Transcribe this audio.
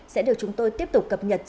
sẽ được chúng tôi tiếp tục cập nhật